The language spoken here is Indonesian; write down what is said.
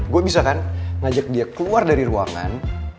gue bisa kan ngajak dia keluar dari ruangan